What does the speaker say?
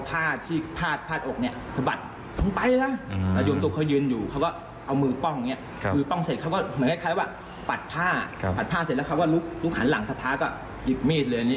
ผาเสร็จแล้วครับว่าลุกหันหลังถ้าพาก็หยิบเมตรเลย